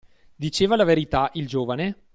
Diceva la verità il giovane?